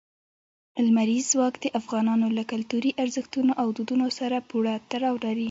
لمریز ځواک د افغانانو له کلتوري ارزښتونو او دودونو سره پوره تړاو لري.